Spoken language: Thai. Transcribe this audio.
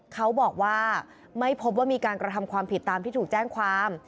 เขาบอกว่าไม่พบว่ามีการกระทำความผิดตามที่ถูกแจ้งความ